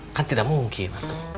itu tidak mungkin